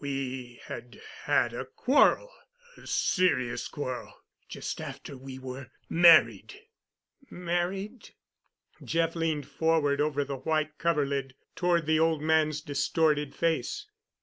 We had had a quarrel—a serious quarrel—just after we were married——" "Married?" Jeff leaned forward over the white coverlid toward the old man's distorted face.